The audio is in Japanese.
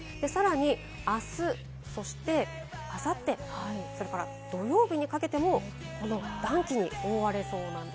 さらに明日、そして明後日、それから土曜日にかけても、この暖気に覆われそうなんです。